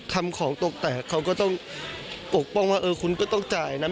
คำของตกแตกเขาก็ต้องปกป้องว่าเออคุณก็ต้องจ่ายนะ